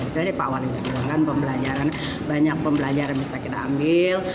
jadi pak wali bilang kan pembelajaran banyak pembelajaran bisa kita ambil